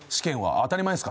当たり前ですか？